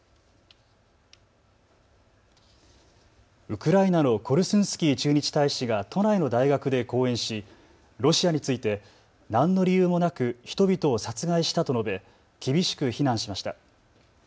ウクライナのコルスンスキー駐日大使が都内の大学で講演しロシアについて何の理由もなく人々を殺害したと述べ厳しく非難しました。